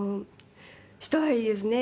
「したいですね」